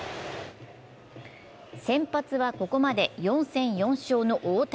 先発はここまで４戦４勝の大竹。